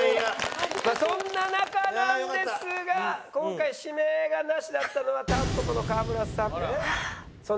そんな中なんですが今回指名がなしだったのはたんぽぽの川村さん。